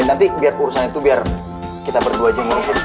nanti biar urusan itu biar kita berdua aja indonesia